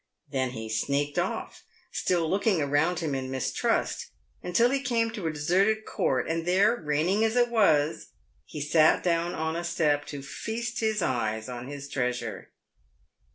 Then he sneaked off, still looking around him in mistrust, until he came to a deserted court, and there, raining as it was, he sat down on a step to feast his eyes on his treasure.